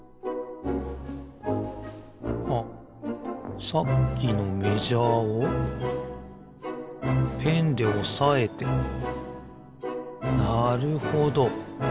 あっさっきのメジャーをペンでおさえてなるほど。